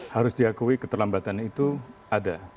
harus diakui keterlambatan itu ada